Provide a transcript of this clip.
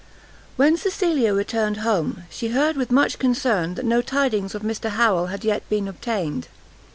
When Cecilia returned home, she heard with much concern that no tidings of Mr Harrel had yet been obtained.